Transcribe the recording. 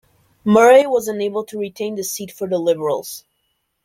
Murray was unable to retain the seat for the Liberals.